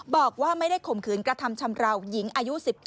บอกว่าไม่ได้ข่มขืนกระทำชำราวหญิงอายุ๑๙